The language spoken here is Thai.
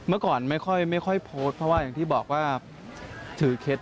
เมื่อก่อนไม่ค่อยโพสต์เพราะว่าอย่างที่บอกว่าถือเคล็ด